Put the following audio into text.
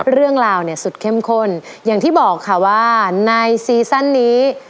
เรื่องราวเนี่ยสุดเข้มข้นอย่างที่บอกค่ะว่าในซีซั่นนี้